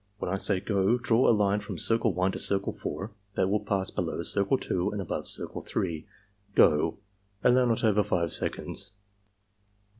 When I say 'go' draw a line from Circle 1 to Circle 4 that will pass below Circle 2 and above Circle 3. — Go!" (Allow not over 5 seconds.)